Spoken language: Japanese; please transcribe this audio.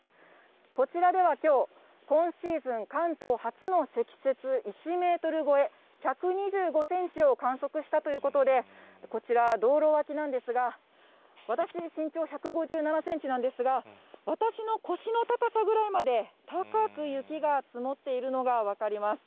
こちらではきょう、今シーズン関東初の積雪１メートル超え、１２５センチを観測したということで、こちら、道路脇なんですが、私、身長１５７センチなんですが、私の腰の高さぐらいまで、高く雪が積もっているのが分かります。